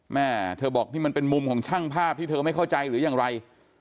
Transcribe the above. แม่เธอบอกนี่มันเป็นมุมของช่างภาพที่เธอไม่เข้าใจหรือยังไร